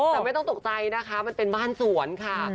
แต่ไม่ต้องตกใจนะคะมันเป็นบ้านสวนค่ะ